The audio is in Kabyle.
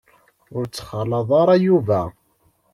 Ur ttxalaḍ ara Yuba.